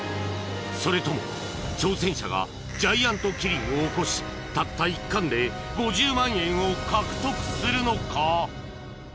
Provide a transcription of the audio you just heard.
それとも挑戦者がジャイアントキリングを起こしたった一貫で５０万円を獲得するのか！？